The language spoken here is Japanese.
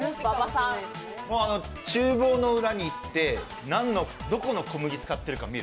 ちゅう房の裏に行って、どこの小麦を使っているか見る。